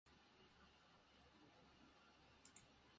高いんじゃない